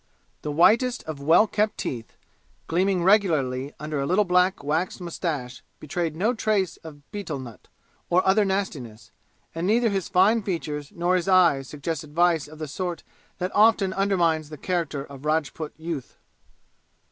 The whitest of well kept teeth, gleaming regularly under a little black waxed mustache betrayed no trace of betel nut or other nastiness, and neither his fine features nor his eyes suggested vice of the sort that often undermines the character of Rajput youth.